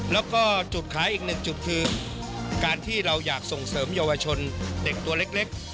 แล้วก็จุดขายอีกหนึ่งจุดคือการที่เราอยากส่งเสริมเยาวชนเด็กตัวเล็ก